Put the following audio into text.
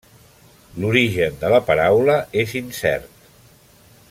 L'origen de la paraula és incert.